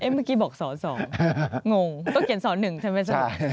เมื่อกี้บอกส๒งงก็เขียนส๑ใช่ไหม